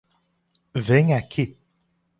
Venha aqui